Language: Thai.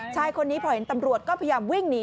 ชายคนนี้พอเห็นตำรวจก็พยายามวิ่งหนี